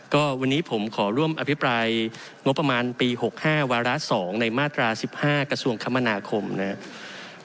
ก็วันนี้ผมขอร่วมอภิปรายงบประมาณปี๖๕วาระ๒ในมาตรา๑๕กระทรวงคมนาคมนะครับ